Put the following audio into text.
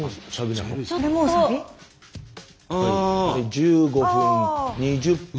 １５分２０分。